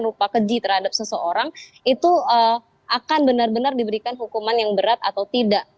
rupa keji terhadap seseorang itu akan benar benar diberikan hukuman yang berat atau tidak